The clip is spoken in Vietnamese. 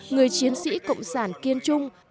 người chiến sĩ cộng sản kiên trung